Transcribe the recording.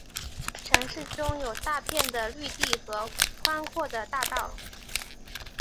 城市中有大片的绿地和宽阔的大道。